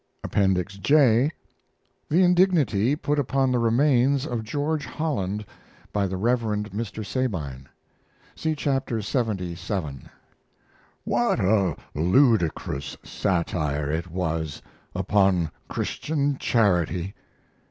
APPENDIX J THE INDIGNITY PUT UPON THE REMAINS OF GEORGE HOLLAND BY THE REV. MR. SABINE. (See Chapter lxxvii) What a ludicrous satire it was upon Christian charity!